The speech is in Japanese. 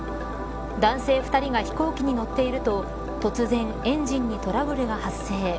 男性２人が飛行機に乗っていると突然エンジンにトラブルが発生。